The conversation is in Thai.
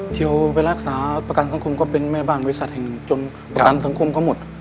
เที่ยวไปรักษาอาการสังคมก็เป็นแม่บ้านบริษัทแห่งจนอาการสังคมก็หมด